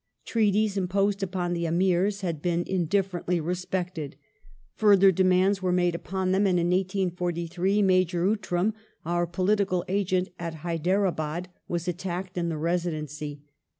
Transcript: Treaties imposed upon the Amii s had been indifferently respected. Further demands were made upon them, and in 1843 Major Outram, our political agent at Haidardbad, was attacked in the Residency.